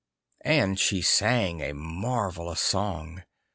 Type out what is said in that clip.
And she sang a marvellous song.